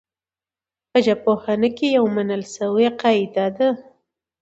په ژبپوهنه کي يوه منل سوې قاعده ده.